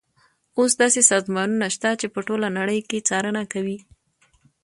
اوس داسې سازمانونه شته چې په ټوله نړۍ کې څارنه کوي.